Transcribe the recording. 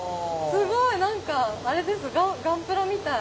すごい何かあれですガンプラみたい。